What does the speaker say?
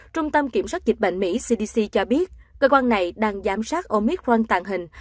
trung tâm kiểm soát dịch bệnh mỹ cdc cho biết cơ quan này đang giám sát omicron tàn hình